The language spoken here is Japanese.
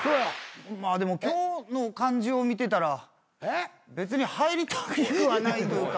今日の感じを見てたら別に入りたくはないというか。